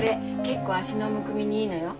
結構あしのむくみにいいのよ。へ。